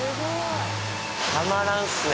たまらんっすね。